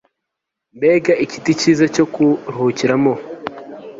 mbega ikiti cyiza cyo kuruhukiramo